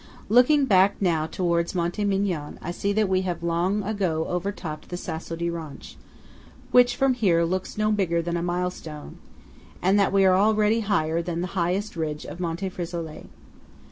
Looking back now towards Monte Migion, I see that we have long ago overtopped the Sasso di Ronch, which from here looks no bigger than a milestone; and that we are already higher than the highest ridge of Monte Frisolet.